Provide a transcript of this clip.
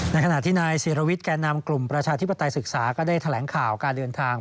ขณะที่นายศิรวิทย์แก่นำกลุ่มประชาธิปไตยศึกษาก็ได้แถลงข่าวการเดินทาง